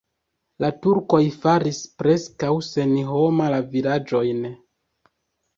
La turkoj faris preskaŭ senhoma la vilaĝojn.